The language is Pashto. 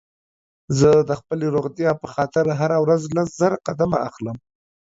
زه د خپلې روغتيا په خاطر هره ورځ لس زره قدمه اخلم